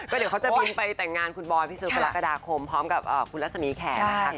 ก็เดี๋ยวเขาจะบินไปแต่งงานคุณบอนพี่สุภาละกระดาษคมพร้อมกับคุณละสมีแขน